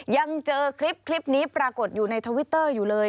ยังเจอคลิปนี้ปรากฏอยู่ในทวิตเตอร์อยู่เลย